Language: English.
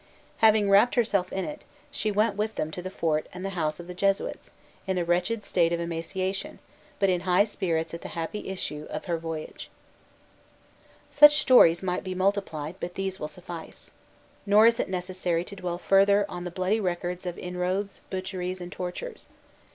Having wrapped herself in it, she went with them to the fort and the house of the Jesuits, in a wretched state of emaciation, but in high spirits at the happy issue of her voyage. Lalemant, Relation, 1647, 15, 16. Such stories might be multiplied; but these will suffice. Nor is it necessary to dwell further on the bloody record of inroads, butcheries, and tortures.